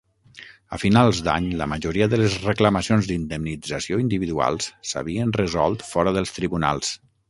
A finals d'any la majoria de les reclamacions d'indemnització individuals s'havien resolt fora dels tribunals.